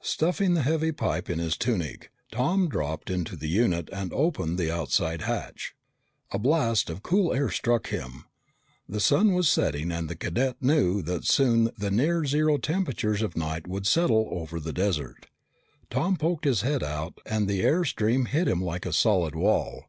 Stuffing the heavy pipe in his tunic, Tom dropped into the unit and opened the outside hatch. A blast of cool air struck him. The sun was setting and the cadet knew that soon the near zero temperatures of night would settle over the desert. Tom poked his head out and the air stream hit him like a solid wall.